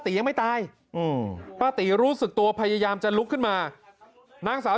ยังไม่ตายป้าตีรู้สึกตัวพยายามจะลุกขึ้นมานางสาว